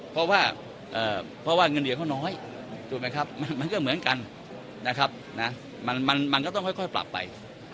เพราะว่าเงินเหลี่ยงเขาน้อยมันก็เหมือนกันนะครับมันก็ต้องค่อยปรับไป